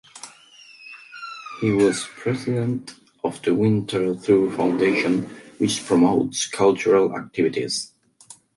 He was President of the Winterthur Foundation, which promotes cultural activities.